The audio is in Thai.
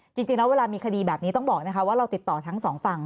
จริงแล้วเวลามีคดีแบบนี้ต้องบอกนะคะว่าเราติดต่อทั้งสองฝั่ง